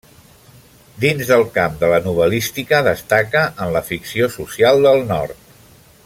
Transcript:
Dins del camp de la novel·lística, destaca en la ficció social del nord.